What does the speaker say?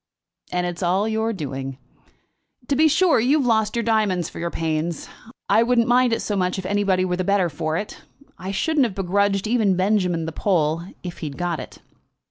"And it is all your doing. To be sure you have lost your diamonds for your pains. I wouldn't mind it so much if anybody were the better for it. I shouldn't have begrudged even Benjamin the pull, if he'd got it."